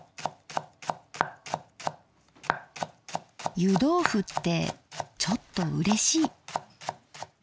湯どうふってちょっとうれしい。